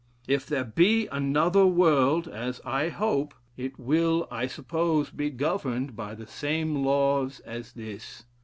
If there be another world, as 1 hope, it will, I suppose, be governed by the same laws as this.